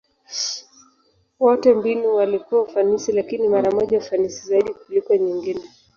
Wote mbinu walikuwa ufanisi, lakini mara moja ufanisi zaidi kuliko nyingine.